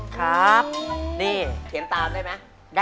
หอหีบรอลิง